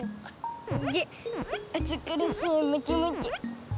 げっあつくるしいムキムキ！